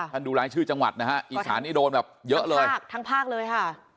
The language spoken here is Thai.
ดูรายชื่อจังหวัดนะฮะอีสานนี่โดนแบบเยอะเลยหักทั้งภาคเลยค่ะ